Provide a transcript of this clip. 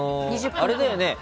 あれだよね